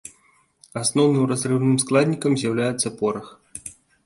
Асноўным разрыўным складнікам з'яўляецца порах.